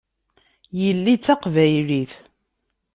Yelli d taqbaylit.